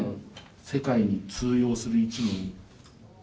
世界に通用する一問。